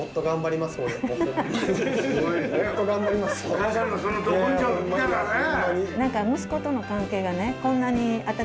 お母さんのそのド根性見たらねえ。